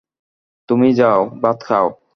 তুমি যাও, ভাত খাও।